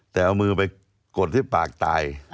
แต่เอามือไปกดที่ปากตาย